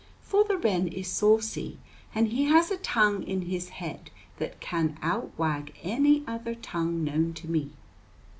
For the wren is saucy, and he has a tongue in his head that can outwag any other tongue known to me.